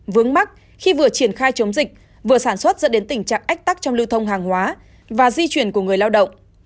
vướng mắt khi vừa triển khai chống dịch vừa sản xuất dẫn đến tình trạng ách tắc trong lưu thông hàng hóa và di chuyển của người lao động